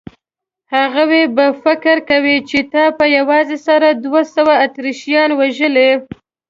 هغوی به فکر کوي چې تا په یوازې سره دوه سوه اتریشیان وژلي.